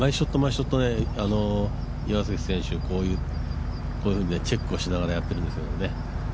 ショット岩崎選手、こういうふうにチェックをしながらやってるんですよね。